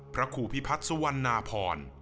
พระครูพิพัฒน์สุวรรณพร